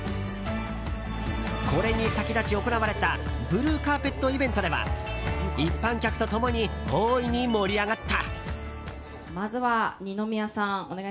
これに先立ち行われたブルーカーペットイベントでは一般客と共に大いに盛り上がった。